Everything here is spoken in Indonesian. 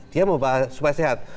dia membahas supaya sehat